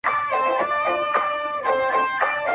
خو د کلي دننه درد لا هم ژوندی دی,